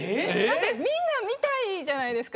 みんな見たいじゃないですか。